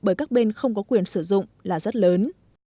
bởi các bên không có quyền sử dụng là rất lớn